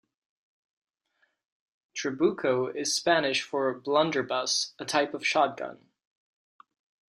Trabuco is Spanish for blunderbuss, a type of shotgun.